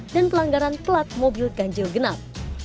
dan pelanggaran pelat mobil ganjil genap